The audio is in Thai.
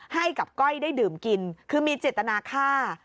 ให้กับก้อยได้ดื่มกินคือมีเจตนาฆ่า